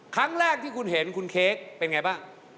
ครั้งแรกที่คุณเห็นคุณเค้กเป็นไงบ้าง